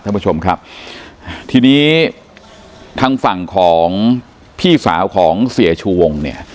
ท่านผู้ชมครับทีนี้ทางฝั่งของพี่สาวของเสียชูวงเนี่ย